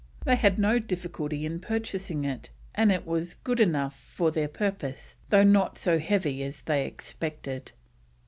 They had no difficulty in purchasing it, and it was good enough for their purpose, though not so heavy as they expected.